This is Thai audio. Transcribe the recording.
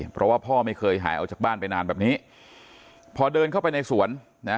เพราะว่าพ่อไม่เคยหายออกจากบ้านไปนานแบบนี้พอเดินเข้าไปในสวนนะ